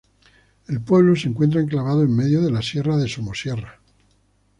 El pueblo se encuentra enclavado en medio de la sierra de Somosierra.